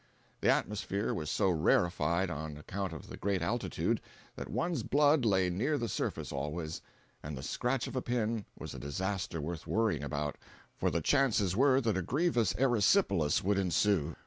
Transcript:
The atmosphere was so rarified, on account of the great altitude, that one's blood lay near the surface always, and the scratch of a pin was a disaster worth worrying about, for the chances were that a grievous erysipelas would ensue.